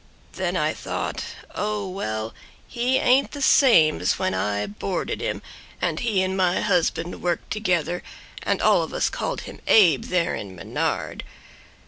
Then I thought: "Oh, well, he ain't the same as when I boarded him And he and my husband worked together And all of us called him Abe, there in Menard."